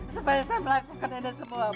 supaya saya melakukan ini semua pak